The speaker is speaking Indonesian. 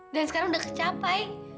dan sekarang udah kecapai